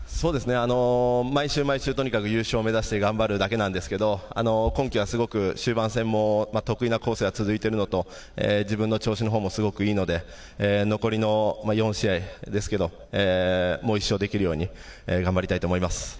毎週、毎週、とにかく優勝を目指して頑張るだけなんですけど、今季はすごく、終盤戦も得意なコースが続いているのと、自分の調子のほうもすごくいいので、残りの４試合ですけど、もう一勝できるように頑張りたいと思います。